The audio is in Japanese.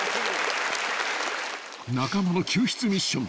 ［仲間の救出ミッション］